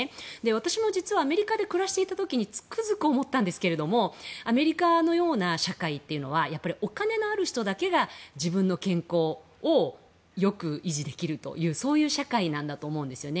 私も実はアメリカで暮らしていた時につくづく思ったんですがアメリカのような社会というのはお金のある人だけが自分の健康をよく維持できるという社会なんだと思うんですね。